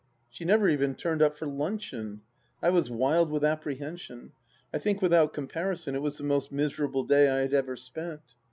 She never even turned up for luncheon. I was wild with apprehension. I think without comparison it was the most miserable day I had ever spent.